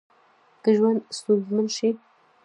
که ژوند ستونزمن شي